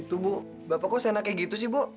itu bu bapak kok senang kayak gitu sih bu